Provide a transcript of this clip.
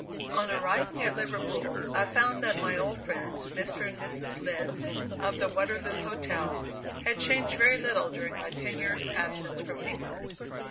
On arriving at Liverpool, I found that my old friends, Mr. and Mrs. Lynn, of the Waterloo Hotel, had changed very little during my ten years' absence from England.